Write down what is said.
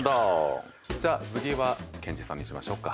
じゃあ次はケンチさんにしましょうか。